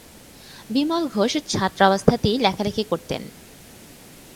বিমল ঘোষ ছাত্রাবস্থাতেই লেখালেখি করতেন।